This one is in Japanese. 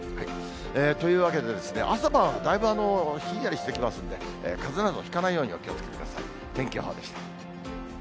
というわけでですね、朝晩はだいぶひんやりしてきますんで、かぜなどひかないようにお気をつけください。